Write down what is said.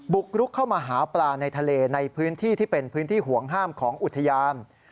กรุกเข้ามาหาปลาในทะเลในพื้นที่ที่เป็นพื้นที่ห่วงห้ามของอุทยาน